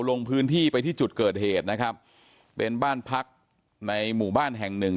ลงพื้นที่ไปที่จุดเกิดเหตุนะครับเป็นบ้านพักในหมู่บ้านแห่งหนึ่ง